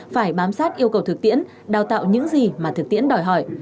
phải bám sát yêu cầu thực tiễn đào tạo những gì mà thực tiễn đòi hỏi